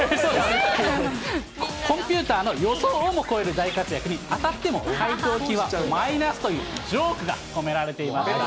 コンピューターの予想をも超える大活躍に、当たっても、配当金はマイナスというジョークが込められています。